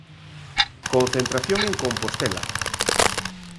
Concentración en Compostela.